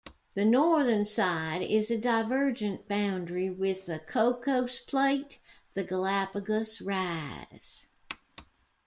The northern side is a divergent boundary with the Cocos Plate, the Galapagos Rise.